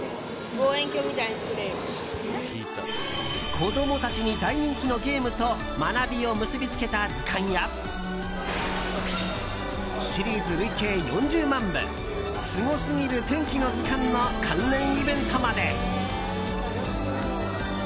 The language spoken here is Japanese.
子供たちに大人気のゲームと学びを結び付けた図鑑やシリーズ累計４０万部「すごすぎる天気の図鑑」の関連イベントまで！